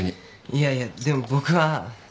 いやいやでも僕は。